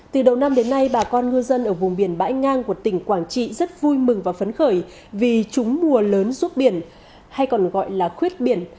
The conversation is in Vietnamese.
từ đầu năm đến nay bà con ngư dân ở vùng biển bãi ngang của tỉnh quảng trị rất vui mừng và phấn khởi vì trúng mùa lớn rút biển hay còn gọi là khuyết biển